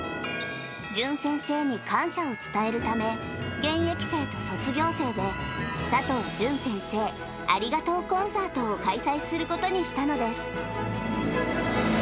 淳先生に感謝を伝えるため、現役生と卒業生で、佐藤淳先生ありがとうコンサートを開催することにしたのです。